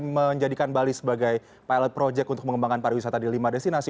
menjadikan bali sebagai pilot project untuk mengembangkan pariwisata di lima destinasi